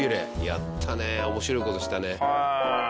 やったね面白い事したね。